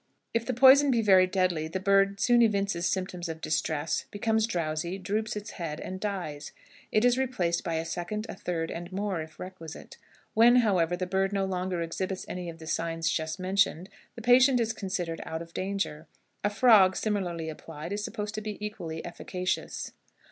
If the poison be very deadly, the bird soon evinces symptoms of distress, becomes drowsy, droops its head, and dies. It is replaced by a second, a third, and more if requisite. When, however, the bird no longer exhibits any of the signs just mentioned, the patient is considered out of danger. A frog similarly applied is supposed to be equally efficacious."